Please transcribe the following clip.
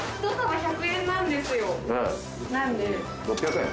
６００円？